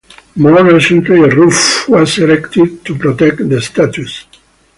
More recently, a roof was erected to protect the statues.